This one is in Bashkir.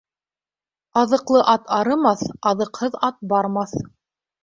Аҙыҡлы ат арымаҫ, аҙыҡһыҙ ат бармаҫ.